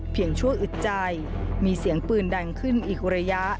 ชั่วอึดใจมีเสียงปืนดังขึ้นอีกระยะ